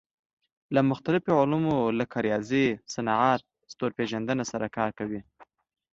له مختلفو علومو لکه ریاضیات، صنعت، ستوري پېژندنه سره کار کوي.